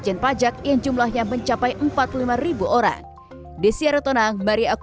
yang jumlahnya mencapai empat puluh lima ribu orang